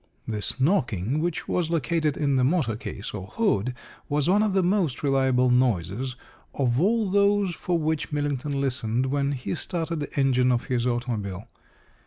This knocking, which was located in the motor case, or hood, was one of the most reliable noises of all those for which Millington listened when he started the engine of his automobile.